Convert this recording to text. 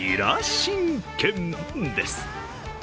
神拳です。